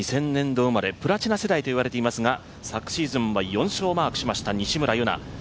２０００年度生まれ、プラチナ世代と言われていますが昨シーズンは４勝をマークしました西村優菜。